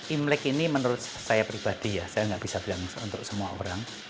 imlek ini menurut saya pribadi ya saya nggak bisa bilang untuk semua orang